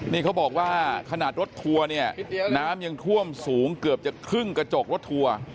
นี่เขาบอกว่าขนาดรถทัวร์เนี่ยน้ำยังท่วมสูงเกือบจะครึ่งกระจกรถทัวร์